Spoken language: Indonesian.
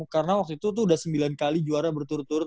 karena waktu itu udah sembilan kali juara berturut turut